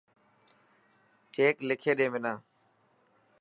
چيڪ لکي ڏي منا.